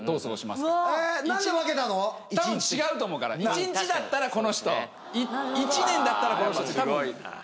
１日だったらこの人１年だったらこの人って。